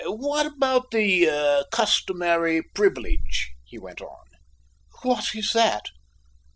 "What about the customary privilege?" he went on. "What is that?"